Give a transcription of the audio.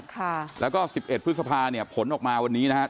ค่ะแล้วก็สิบเอ็ดพฤษภาเนี่ยผลออกมาวันนี้นะครับ